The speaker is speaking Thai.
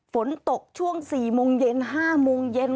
ฝนตกช่วง๔โมงเย็น๕โมงเย็น